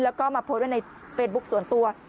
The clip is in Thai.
แล้วก็มาโพสต์ไว้ในเฟซบุ๊คส่วนตัว